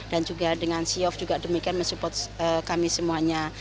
dan juga dengan siov juga demikian mensupport kami semuanya